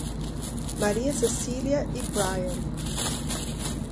Maria Cecília e Bryan